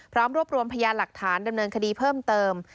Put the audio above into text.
พร้อมรวบรวมพยานหลักฐานดำเนินคดีเพิ่มเติม